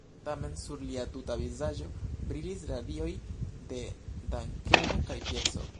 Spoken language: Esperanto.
Tamen sur lia tuta vizaĝo brilis radioj de dankemo kaj pieco.